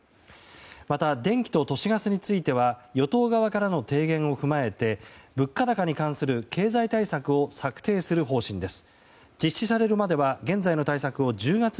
また、電気と都市ガスについては与党側からの提言を踏まえて物価高に関する経済対策を策定する方針です。